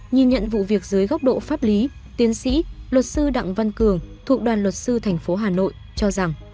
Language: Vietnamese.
nhìn nhận vụ việc dưới góc độ pháp lý tiến sĩ luật sư đặng văn cường thuộc đoàn luật sư thành phố hà nội cho rằng